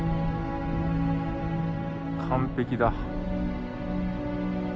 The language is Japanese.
完璧だ。